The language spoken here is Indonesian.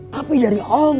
tapi dari om